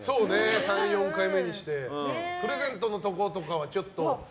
３、４回目にしてプレゼントのところとかはちょっと。